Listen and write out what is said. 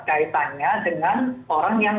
kaitannya dengan orang yang